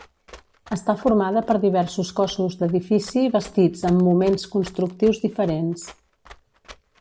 Està formada per diversos cossos d'edifici bastits en moments constructius diferents.